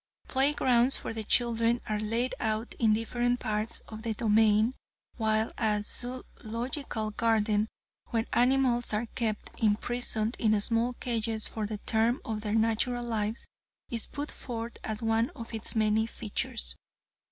Playgrounds for the children are laid out in different parts of the domain while a zoological garden where animals are kept imprisoned in small cages for the term of their natural lives, is put forth as one of its many features.